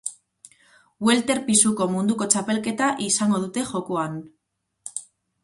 Welter pisuko munduko txapelketa izango dute jokoan.